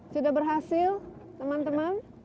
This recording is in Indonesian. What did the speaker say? sudah berhasil teman teman